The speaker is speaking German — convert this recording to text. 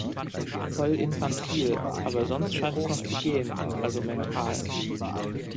Voll infantil, aber sonst scheint es noch zu gehen, also mental.